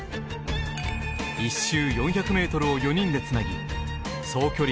１周４００ｍを４人でつなぎ総距離